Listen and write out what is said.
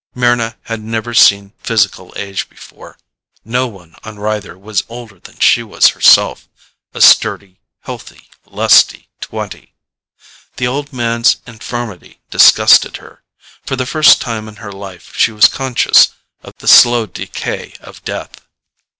Mryna had never seen physical age before. No one on Rythar was older than she was herself a sturdy, healthy, lusty twenty. The old man's infirmity disgusted her; for the first time in her life she was conscious of the slow decay of death.